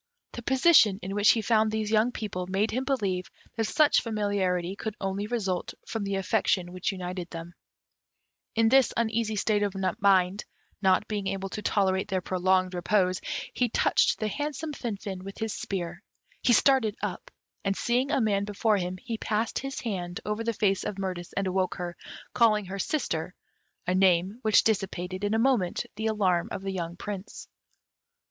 The position in which he found these young people made him believe that such familiarity could only result from the affection which united them. [Illustration: The Good Woman. P. 210.] In this uneasy state of mind, not being able to tolerate their prolonged repose, he touched the handsome Finfin with his spear. He started up, and, seeing a man before him, he passed his hand over the face of Mirtis, and awoke her, calling her "sister," a name which dissipated in a moment the alarm of the young Prince.